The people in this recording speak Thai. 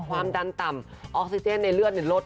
ความดันต่ำออกซิเจนในเลือดลด